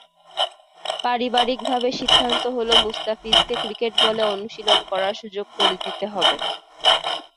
পারিবারিকভাবে সিদ্ধান্ত হলো, মুস্তাফিজকে ক্রিকেট বলে অনুশীলন করার সুযোগ করে দিতে হবে।